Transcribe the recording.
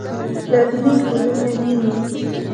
للمي ګلونه ویني